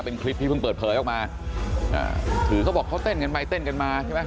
เป็นคลิปที่เพิ่งเปิดเผยออกมาอ่าถือเขาบอกเขาเต้นกันไปเต้นกันมาใช่ไหม